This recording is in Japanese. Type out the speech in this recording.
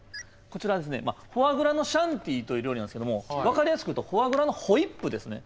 こちらですねフォアグラのシャンティイという料理なんですけども分かりやすく言うとフォアグラのホイップですね。